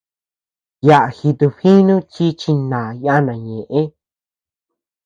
Yaʼa jitubjinu chi chíi yana ñëʼe.